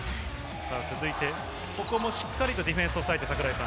続いて、ここもしっかりディフェンスを抑えて。